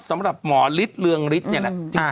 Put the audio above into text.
สำหรับหมอฤทธิ์เรืองฤทธิ์จริง